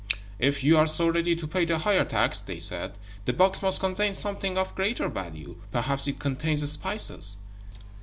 "If you are so ready to pay the higher tax," they said, "the box must contain something of greater value. Perhaps it contains spices."